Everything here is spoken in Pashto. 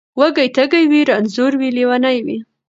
وږی تږی وي رنځور وي لېونی وي